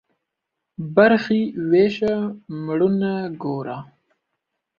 برخي ويشه ، مړونه گوره.